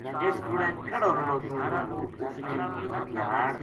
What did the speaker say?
اِس کوڑے کہڑو لُڑو تھو وہ اــس نے بھگیاڑ